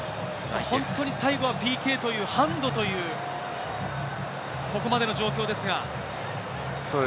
本当に最後はＰＫという、ハンドというここまでの状況ですが。